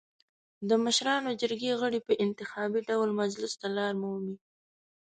د مشرانو جرګې غړي په انتخابي ډول مجلس ته لار مومي.